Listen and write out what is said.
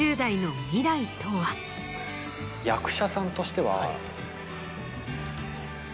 役者さんとしては。